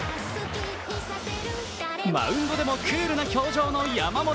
マウンドでもクールな表情の山本。